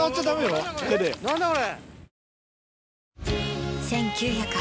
何だこれ！